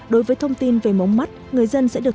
đối với thông tin về mống mắt người dân sẽ được